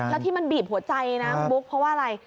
แล้วที่มันบีบหัวใจนะคุณบุ๊คเพราะว่าอะไร